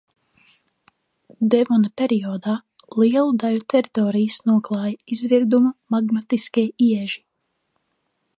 Devona periodā lielu daļu teritorijas noklāja izvirdumu magmatiskie ieži.